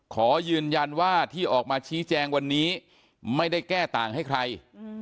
ขอยืนยันว่าที่ออกมาชี้แจงวันนี้ไม่ได้แก้ต่างให้ใคร